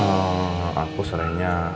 ehm aku serahnya